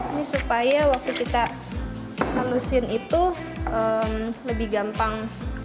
ini supaya waktu kita halusin itu lebih gampang